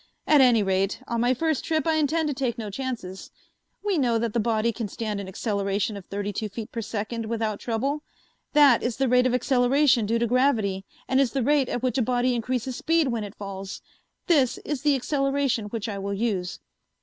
At any rate, on my first trip I intend to take no chances. We know that the body can stand an acceleration of thirty two feet per second without trouble. That is the rate of acceleration due to gravity and is the rate at which a body increases speed when it falls. This is the acceleration which I will use.